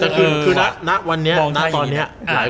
แต่คือนักวันนี้ตอนนี้